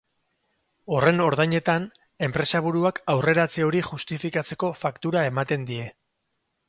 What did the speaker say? Horren ordainetan, enpresaburuak aurreratze hori justifikatzeko faktura ematen die.